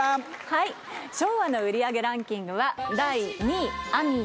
はい昭和の売り上げランキングは第２位。